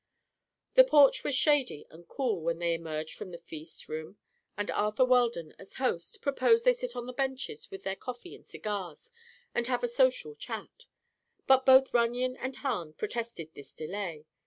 The porch was shady and cool when they emerged from the feast room and Arthur Weldon, as host, proposed they sit on the benches with their coffee and cigars and have a social chat. But both Runyon and Hahn protested this delay.